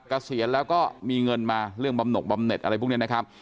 เกษียณแล้วก็มีเงินมาเรื่องบำนกบำเน็ตอะไรพวกนี้นะครับ